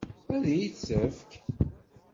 Ad iyi-t-tefk?